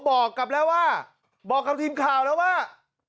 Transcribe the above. บอกกลับแล้วว่าบอกกับทีมข่าวแล้วว่า